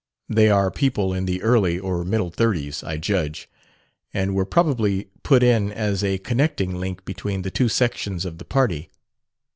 They are people in the early or middle thirties, I judge, and were probably put in as a connecting link between the two sections of the party.